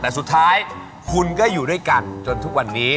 แต่สุดท้ายคุณก็อยู่ด้วยกันจนทุกวันนี้